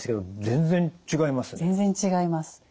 全然違います。